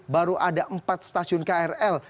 baru ada empat stasiun krl